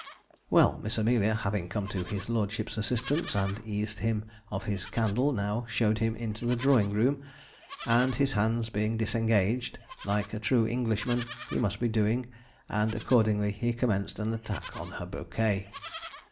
Well, Miss Amelia having come to his lordship's assistance, and eased him of his candle, now showed him into the drawing room; and his hands being disengaged, like a true Englishman, he must be doing, and accordingly he commenced an attack on her bouquet.